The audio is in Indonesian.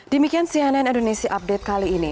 demikian cnn indonesia update kali ini